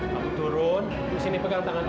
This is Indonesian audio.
kamu turun yuk sini pegang tangan om